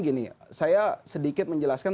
gini saya sedikit menjelaskan